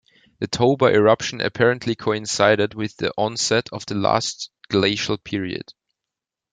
The Toba eruption apparently coincided with the onset of the last glacial period.